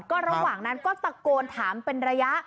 ก็ระหว่างนั้นก็ตะโกนถามเป็นระยะ